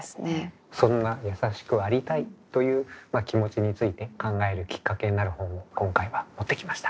そんなやさしくありたいという気持ちについて考えるきっかけになる本を今回は持ってきました。